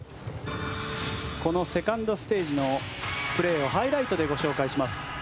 このセカンドステージのプレーをハイライトでご紹介します。